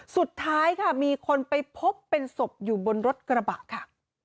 สุดท้ายค่ะมีคนไปพบเป็นศพอยู่บนรถกระบะค่ะ